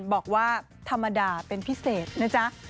บอกว่าธรรมดาเป็นพิเศษนะจ๊ะ